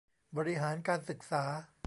บริหารการศึกษา